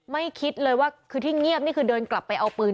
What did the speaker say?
คิดเลยว่าคือที่เงียบนี่คือเดินกลับไปเอาปืน